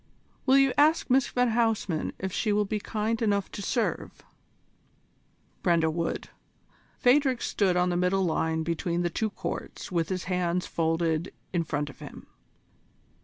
"Will you ask Miss van Huysman if she will be kind enough to serve?" Brenda would. Phadrig stood on the middle line between the two courts with his hands folded in front of him.